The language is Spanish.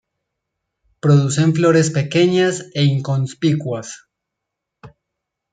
Producen flores pequeñas e inconspicuas.